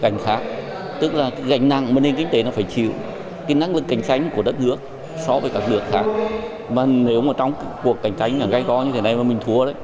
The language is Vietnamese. nhưng gánh nặng cho nền kinh tế sẽ là điều tất yếu